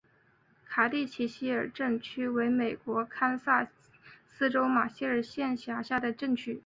卡蒂奇希尔镇区为美国堪萨斯州马歇尔县辖下的镇区。